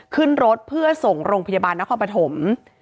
ขึ้นรถเพื่อส่งโรงพยาบาลนครปฐม